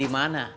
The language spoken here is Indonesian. di tempat loag